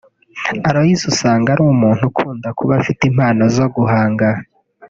Aloys usanga ari umuntu ukunda kuba afite impano zo guhanga